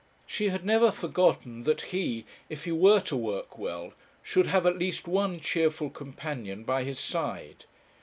She had never forgotten that he, if he were to work well, should have at least one cheerful companion by his side.